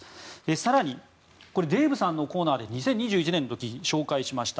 更に、デーブさんのコーナーで２０２１年の時紹介しました